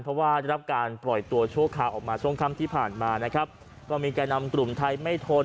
เพราะว่าได้รับการปล่อยตัวชั่วคราวออกมาช่วงค่ำที่ผ่านมานะครับก็มีแก่นำกลุ่มไทยไม่ทน